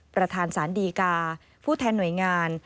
ประธานสารดีกาผู้แทนหน่วยงาน